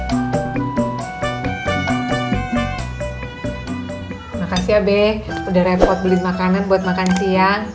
terima kasih abe udah repot beli makanan buat makan siang